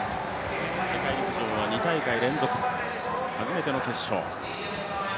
世界陸上は２大会連続、初めての決勝。